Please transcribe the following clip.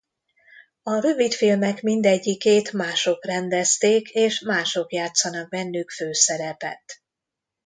A rövidfilmek mindegyikét mások rendezték és mások játszanak bennük főszerepet.